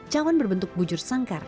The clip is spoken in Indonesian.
cawan berbentuk bujur sangkar